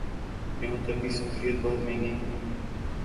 یہاں طبی سہولیات بہت مہنگی ہیں۔